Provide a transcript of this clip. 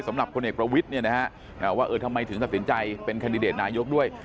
สำหรับพลเอกประวิทย์ว่าทำไมถึงตัดสินใจเป็นแคนดิเดตนายกด้วย